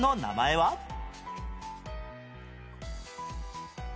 はい。